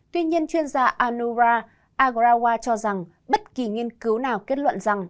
tuy nhiên chuyên gia anurag agrawal cho rằng bất kỳ nghiên cứu nào kết luận rằng